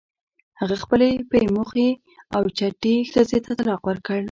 هغه خپلې پی مخې او چټې ښځې ته طلاق ورکړ.